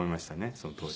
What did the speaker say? その当時。